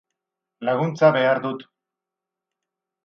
Laguntza behar dut